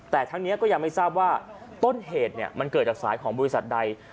แต่ทั้งนี้ก็ยังไม่ทราบว่าต้นเหตุมันเกิดจากสายของบริษัทใด